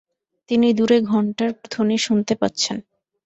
তিনি দূরে ঘণ্টার ধ্বনি শুনতে পাচ্ছেন।